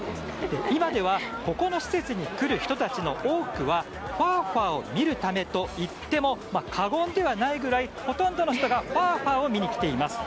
今ではここの施設に来る人たちの多くはファーファーを見るためと言っても過言ではないぐらいほとんどの人がファーファーを見に来ています。